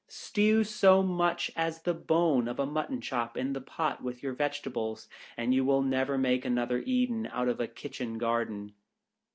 Stew so much as the bone of a mutton chop in the pot with your vegetables, and you will never make another Eden out of a Kitchen Garden.